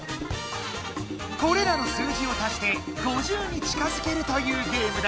これらの数字をたして５０に近づけるというゲームだ。